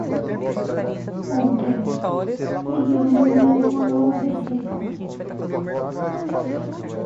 Ontem? Pedi ao meu médico uma nova receita.